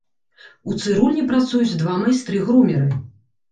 У цырульні працуюць два майстры-грумеры.